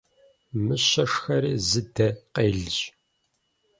Мыщэ шхэри зы дэ къелщ.